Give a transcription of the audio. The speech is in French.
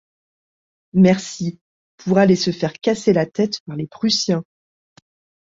Merci! pour aller se faire casser la tête par les Prussiens !